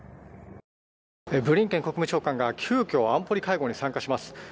ブリンケン国務長官が急きょ安保理会合に参加します。